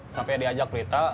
sampai diajak prita